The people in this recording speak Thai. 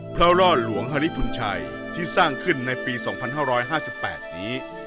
ร่อหลวงฮริพุนชัยที่สร้างขึ้นในปี๒๕๕๘นี้